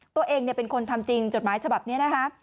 ตัวเองเป็นคนทำจริงจดหมายฉบับนี้นะคะ